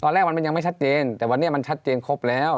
แรกมันยังไม่ชัดเจนแต่วันนี้มันชัดเจนครบแล้ว